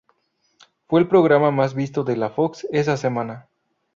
Fue el programa más visto de la Fox esa semana.